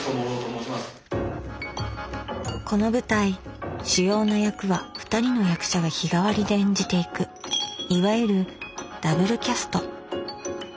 この舞台主要な役はふたりの役者が日替わりで演じていくいわゆるダブルキャスト。